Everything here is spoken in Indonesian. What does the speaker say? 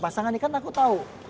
pasangan ini kan aku tahu